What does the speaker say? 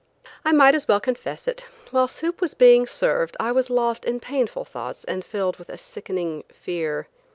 I might as well confess it, while soup was being served, I was lost in painful thoughts and filled with a sickening fear.